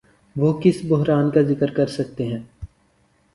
وہ کس بحران کا ذکر کرسکتے ہیں؟